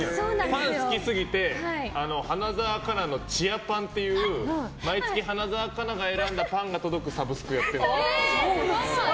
パン好きすぎて花澤香菜のチアパンっていう毎月、花澤香菜が選んだパンが届くサブスクやってるんだよ。